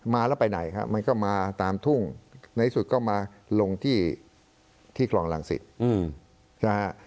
มาแล้วไปไหนครับมันก็มาตามทุ่งในสุดก็มาลงที่ที่ครองลังศิษฐ์